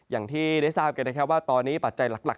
อย่างที่ได้ทราบกันนะครับว่าตอนนี้ปัจจัยหลัก